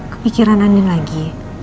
kepikiran andin lagi